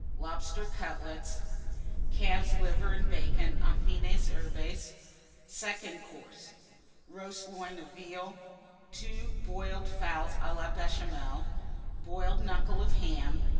Lobster Cutlets. Calf's Liver and Bacon, aux fines herbes. SECOND COURSE. Roast Loin of Veal. Two Boiled Fowls à la Béchamel. Boiled Knuckle of Ham.